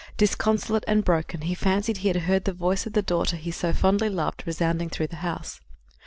Disconsolate and broken, he fancied he heard the voice of the daughter he so fondly loved resounding through the house.